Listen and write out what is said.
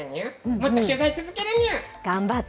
もっと取材続けるにゅ。